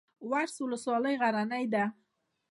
ورس ولسوالۍ غرنۍ ده؟